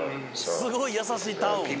「すごい優しいタウン」。